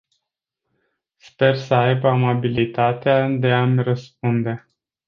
Sper să aibă amabilitatea de a-mi răspunde.